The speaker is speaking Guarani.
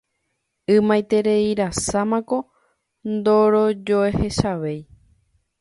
Ymaitereirasámako ndorojoechavéi.